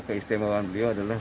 keistimewaan beliau adalah